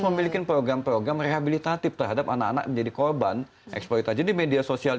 memiliki program program rehabilitatif terhadap anak anak menjadi korban eksploitasi di media sosial